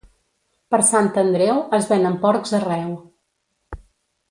Per Sant Andreu es venen porcs arreu.